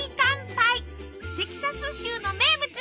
テキサス州の名物！